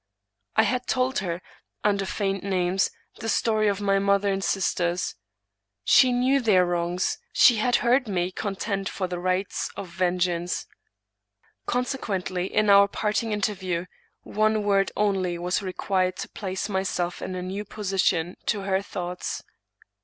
I had told her, under feigned names, the story of my mother and my sisters. She knew their wrongs: she had heard me contend for the right of vengeance. Consequently, in our parting interview, one word only was required to place myself in a new position to her thoughts.